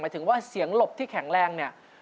ถึงว่าเสียงหลบที่แข็งแรงเนี่ย